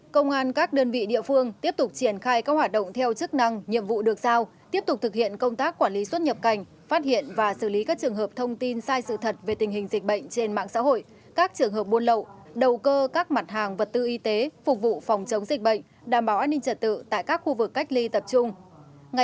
công an các đơn vị địa phương tiếp tục triển khai các hoạt động theo chức năng nhiệm vụ được giao tiếp tục thực hiện công tác quản lý xuất nhập cảnh phát hiện và xử lý các trường hợp thông tin sai sự thật về tình hình dịch bệnh trên mạng xã hội các trường hợp buôn lậu đầu cơ các mặt hàng vật tư y tế phục vụ phòng chống dịch bệnh đảm bảo an ninh trật tự tại các khu vực cách ly tập trung